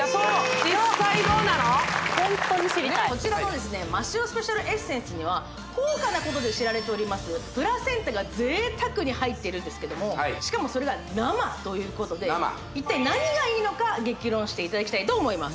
ホントに知りたいこちらのですねマ・シロスペシャルエッセンスには高価なことで知られておりますプラセンタが贅沢に入ってるんですけどもしかもそれが生ということで一体何がいいのか激論していただきたいと思います